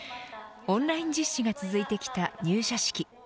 オンライン実施が続いてきた入社式